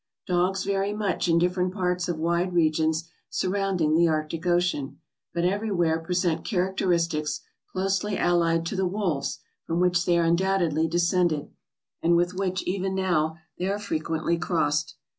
Dogs vary much in different parts of wide regions surrounding the Arctic Ocean, but everywhere present characteristics closely allied to the wolves from which they are undoubtedly descended, and with which, even now, they are frequently crossed.